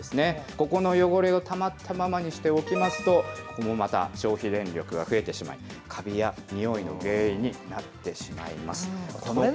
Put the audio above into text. ここの汚れをたまったままにしておきますと、これもまた消費電力が増えてしまい、カビや臭いの原因になってしまいます。